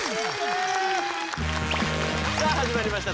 さあ始まりました